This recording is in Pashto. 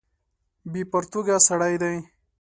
بې پرتوګه سړی دی.